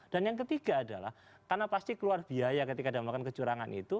yang ketiga adalah karena pasti keluar biaya ketika dia melakukan kecurangan itu